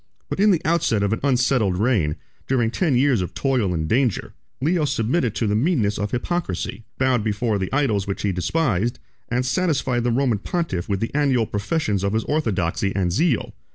But in the outset of an unsettled reign, during ten years of toil and danger, Leo submitted to the meanness of hypocrisy, bowed before the idols which he despised, and satisfied the Roman pontiff with the annual professions of his orthodoxy and zeal.